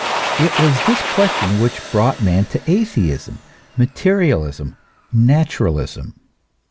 It was this question which brought man to atheism, materialism, naturalism.